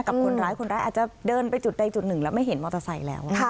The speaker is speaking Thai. กับคนร้ายคนร้ายอาจจะเดินไปจุดใดจุดหนึ่งแล้วไม่เห็นมอเตอร์ไซค์แล้ว